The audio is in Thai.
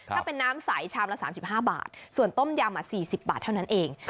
ถ้าเป็นน้ำใสชามละ๓๕บาทส่วนต้มยำ๔๐บาทเท่านั้นเอง